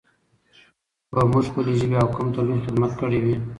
به موږ خپلې ژبې او قوم ته لوى خدمت کړى وي.